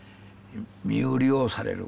身売りをされる。